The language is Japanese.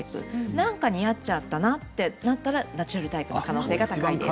なんか似合っちゃったなといったらナチュラルタイプの可能性が高いです。